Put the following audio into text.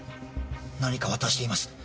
何か渡しています。